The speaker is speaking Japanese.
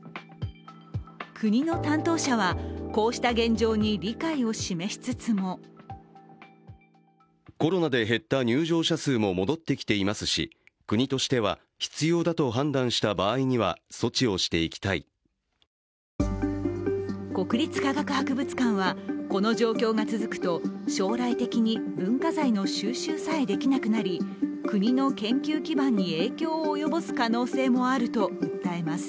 国の担当者は、こうした現状に理解を示しつつも国立科学博物館はこの状況が続くと将来的に文化財の収集さえできなくなり国の研究基盤に影響を及ぼす可能性もあると訴えます。